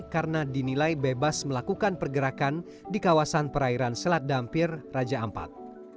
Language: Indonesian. karena dinilai bebas melakukan pergerakan di kawasan perairan selat dampir raja ampat